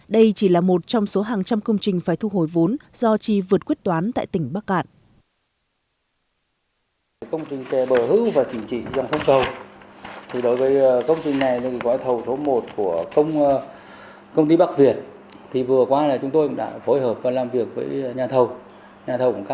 đây chỉ là một trong số hàng trăm công trình phải thu hồi vốn do trì vượt quyết toán tại tỉnh bắc cạn